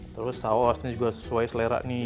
terus saus ini juga sesuai selera nih